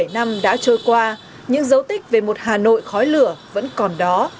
bảy mươi năm đã trôi qua những dấu tích về một hà nội khói lửa vẫn còn đó